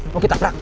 mau kita berang